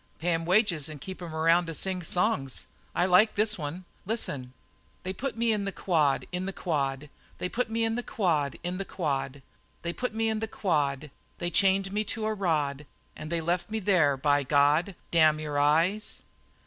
"Pay him wages and keep him around to sing songs. I like this one. Listen!" "They put me in the quad in the quad; They put me in the quad in the quad. They put me in the quad, They chained me to a rod, And they left me there, by God Damn your eyes!"